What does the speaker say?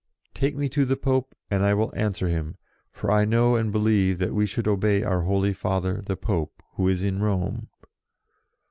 " Take me to the Pope, and I will answer him, for I know and believe that we should obey our Holy Father, the Pope, who is in Rome."